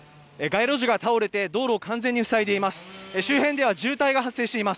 街路樹が倒れて、道路を完全に塞いでいます。